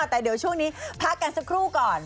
แต่เดี๋ยวช่วงนี้พักกันสักครู่ก่อน